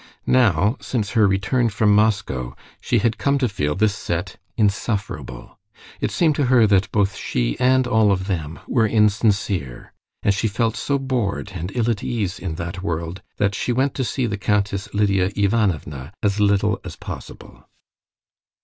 Now, since her return from Moscow, she had come to feel this set insufferable. It seemed to her that both she and all of them were insincere, and she felt so bored and ill at ease in that world that she went to see the Countess Lidia Ivanovna as little as possible.